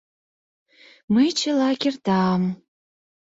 Мый чыла кертам...